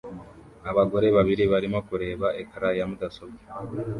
Abagore babiri barimo kureba ecran ya mudasobwa